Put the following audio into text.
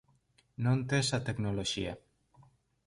Non tes a tecnoloxía.